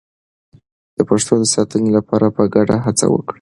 د پښتو د ساتنې لپاره په ګډه هڅه وکړئ.